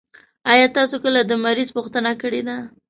آيا تاسو کله د مريض پوښتنه کړي ده؟